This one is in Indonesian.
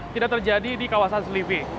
tidak terjadi di kawasan selipi